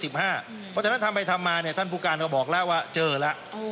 เพราะฉะนั้นทำไปทำมาท่านผู้การเราบอกแล้วว่าเจอแล้ว